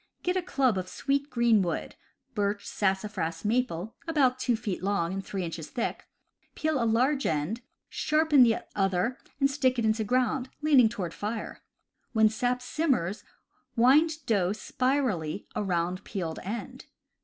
Get a club of sweet green wood (birch, sassafras, maple), about two feet long and three inches thick, peel large end, sharpen the other and stick it into ground, lean ing toward fire. When sap simmers wind dough spirally around peeled end.